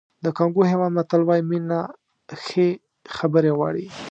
د کانګو هېواد متل وایي مینه ښې خبرې غواړي.